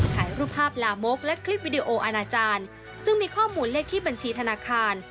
ถ่ายรูปภาพลามกและคลิปวิดีโออาณาจารย์ซึ่งมีข้อมูลเลขที่บัญชีธนาคาร